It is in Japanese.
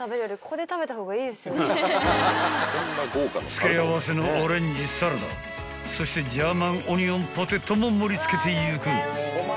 ［付け合わせのオレンジサラダそしてジャーマンオニオンポテトも盛り付けていく］